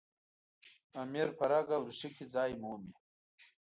امیر په رګ او ریښه کې ځای مومي.